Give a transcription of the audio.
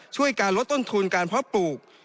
ช่วยการลดต้นทุนการเพาะปลูก